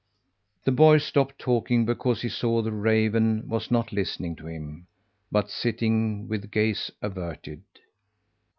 The boy stopped talking because he saw the raven was not listening to him, but sitting with gaze averted.